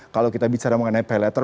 kalau kita bicara mengenai pay later